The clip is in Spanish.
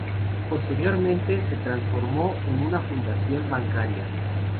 Posteriormente, se transformó en una fundación bancaria.